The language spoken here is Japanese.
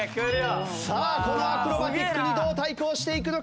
さあこのアクロバティックにどう対抗していくのか？